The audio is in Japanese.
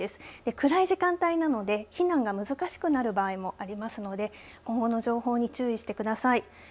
暗い時間帯なので避難が難しくなる場合もありますので今後の情報に注意してください。